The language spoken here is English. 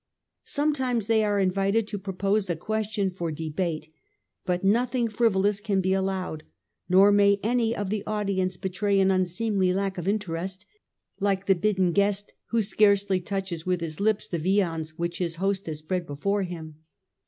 Some times they are invited to propose a question for debate ; but nothing frivolous can be allowed, nor may any of the audience betray an unseemly lack of interest, ' like the bidden guest who scarcely touches with his lips the viands which his host has spread before him.